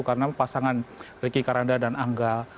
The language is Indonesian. karena pasangan ricky karanda dan angga